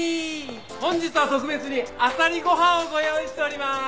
本日は特別にあさりご飯をご用意しております！